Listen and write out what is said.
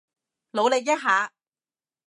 努力一下